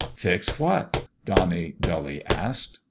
" Fix what ?" Donnie dully asked.